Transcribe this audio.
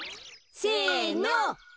せの。